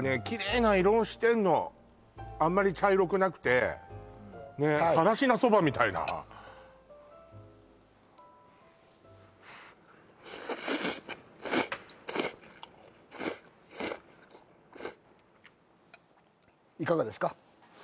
きれいな色をしてんのあんまり茶色くなくて更科そばみたいないかがですか？